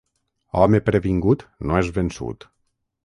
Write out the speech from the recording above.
Home previngut no és vençut.